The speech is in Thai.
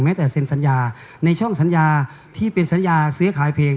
แต่เซ็นสัญญาในช่องสัญญาที่เป็นสัญญาซื้อขายเพลง